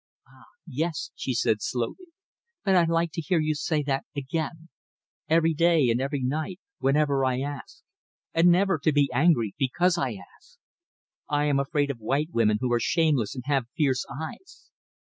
"Ah, yes," she said, slowly, "but I like to hear you say that again every day, and every night, whenever I ask; and never to be angry because I ask. I am afraid of white women who are shameless and have fierce eyes."